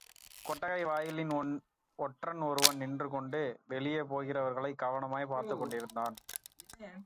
கொட்டகை வாயிலில் ஒற்றன் ஒருவன் நின்று கொண்டு வெளியே போகிறவர்களைக் கவனமாய்ப் பார்த்துக் கொண்டிருந்தான்.